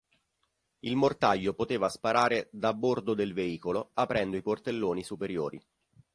Il mortaio poteva sparare da bordo del veicolo aprendo i portelloni superiori.